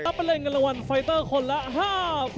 แล้วไปเล่นกันรางวัลไฟเตอร์คนละ๕๐๐๐บาท